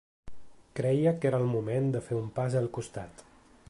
Creia que era el moment de fer un pas al costat.